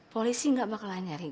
polisi gak bakalan nyari gue lagi